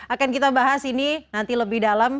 akan kita bahas ini nanti lebih dalam